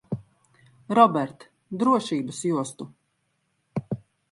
Robert, drošības jostu.